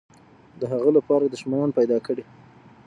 د هغه لپاره دښمنان پیدا کړي.